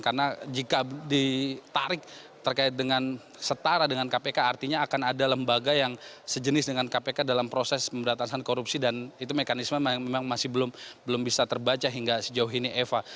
karena jika ditarik terkait dengan setara dengan kpk artinya akan ada lembaga yang sejenis dengan kpk dalam proses pemberantasan korupsi dan itu mekanisme memang masih belum bisa terbaca hingga sejauh ini eva